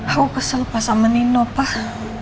aku kesel pak sama nino pak